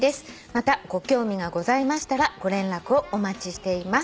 「またご興味がございましたらご連絡をお待ちしています」